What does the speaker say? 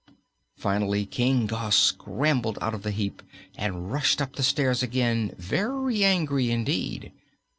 Finally King Gos scrambled out of the heap and rushed up the stairs again, very angry indeed.